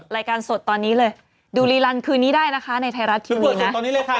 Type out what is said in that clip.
รายการสดตอนนี้เลยดูรีลันคืนนี้ได้นะคะในไทยรัฐทีวีนะตอนนี้เลยค่ะ